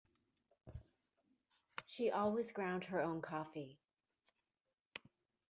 She always ground her own coffee.